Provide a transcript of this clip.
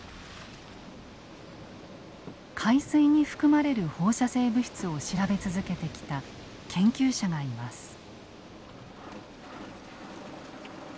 海水に含まれる放射性物質を調べ続けてきた研究者がいます。